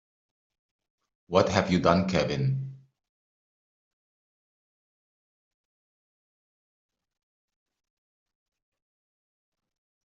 What have you done Kevin?